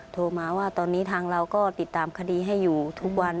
โทรมาว่าตอนนี้ทางเราก็ติดตามคดีให้อยู่ทุกวัน